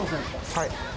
はい。